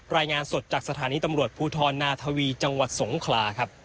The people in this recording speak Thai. รายงานสดจากสถานีตำรวจภูทรนาทวีจังหวัดสงขลาครับ